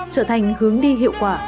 trở thành hướng đi hiệu quả